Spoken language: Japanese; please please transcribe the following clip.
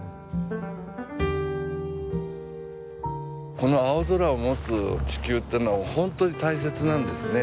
この青空を持つ地球ってのは本当に大切なんですね。